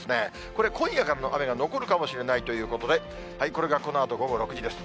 これ、今夜からの雨が残るかもしれないということで、これがこのあと午後６時です。